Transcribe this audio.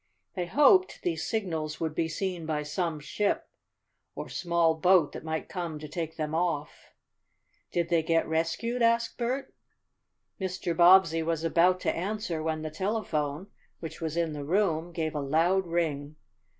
They hoped these signals would be seen by some ship or small boat that might come to take them off." "Did they get rescued?" asked Bert. Mr. Bobbsey was about to answer when the telephone, which was in the room, gave a loud ring.